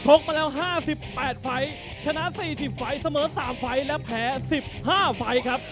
มาแล้ว๕๘ไฟล์ชนะ๔๐ไฟล์เสมอ๓ไฟล์และแพ้๑๕ไฟล์ครับ